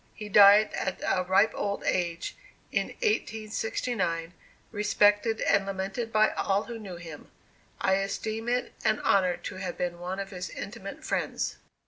He died at a ripe old age, in 1869, respected and lamented by all who knew him. I esteem it an honor to have been one of his intimate friends.